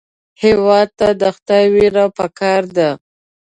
هېواد ته د خدای وېره پکار ده